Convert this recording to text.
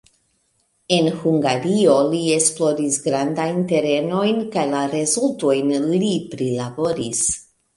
En Hungario li esploris grandajn terenojn kaj la rezultojn li prilaboris.